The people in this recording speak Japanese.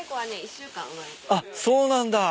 あっそうなんだ。